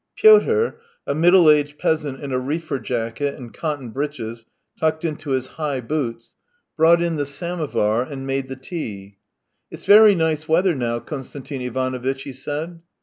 Pyotr, a middle aged peasant in a reefer jacket and cotton breeches tucked into his high boots, brought in the samovar and made the tea. " It's very nice weather now, Konstantin Ivanovitch," he said.